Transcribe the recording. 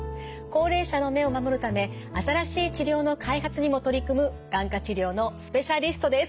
高齢者の目を守るため新しい治療の開発にも取り組む眼科治療のスペシャリストです。